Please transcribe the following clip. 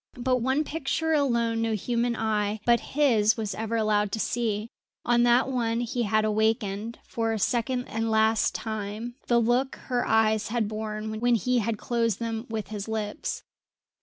But one picture alone no human eye but his was ever allowed to see; on that one he had awakened, for a second and last time, the look her eyes had borne when he had closed them with his lips.